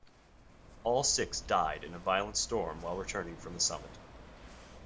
All six died in a violent storm while returning from the summit.